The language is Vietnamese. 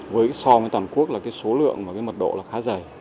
với so với toàn quốc là số lượng và mật độ khá dày